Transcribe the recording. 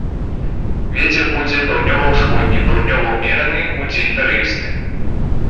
Вецер будзе паўднёва-ўсходні, паўднёвы ўмераны, удзень парывісты.